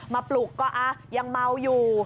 ปลุกก็ยังเมาอยู่